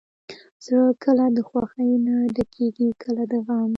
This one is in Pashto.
زړه کله د خوښۍ نه ډکېږي، کله د غم.